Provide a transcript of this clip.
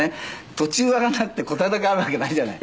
途中わかんなくて答えだけあるわけないじゃない。